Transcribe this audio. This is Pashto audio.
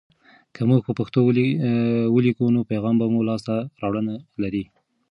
که موږ په پښتو ولیکو، نو پیغام به مو لاسته راوړنه لري.